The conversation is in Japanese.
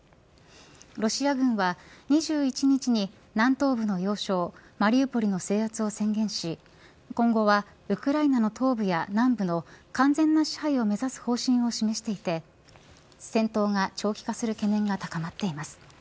ロシア軍は２１日に南東部の要衝マリウポリの制圧を宣言し今後はウクライナの東部や南部の完全な支配を目指す方針を示していて戦闘が長期化する懸念が高まっています。